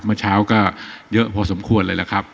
เมื่อเช้าก็เยอะพอสมควรเลยล่ะครับ